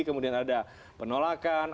kemudian ada penolakan